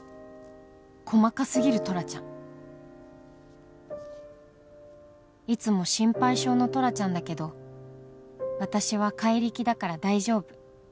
「細かすぎるトラちゃん」「いつも心配性のトラちゃんだけど私は怪力だから大丈夫」